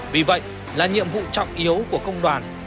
vì vậy là nhiệm vụ trọng yếu của công đoàn